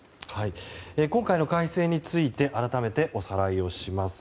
今回の改正について改めておさらいをします。